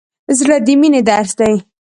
زړه د مینې درس دی.